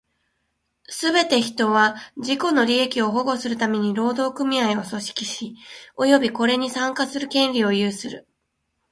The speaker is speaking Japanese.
すべて人は、自己の利益を保護するために労働組合を組織し、及びこれに参加する権利を有する。